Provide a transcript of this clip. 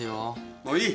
もういい！